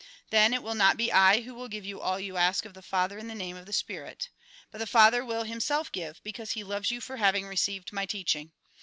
Then it will not be I who will give you all you ask of the Father in the name of the spirit. But the Father will Himself give, because He loves j'ou for having received my teaching.